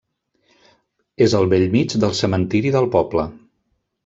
És al bell mig del cementiri del poble.